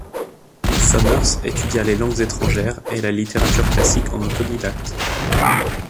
Summers étudia les langues étrangères et la littérature classique en autodidacte.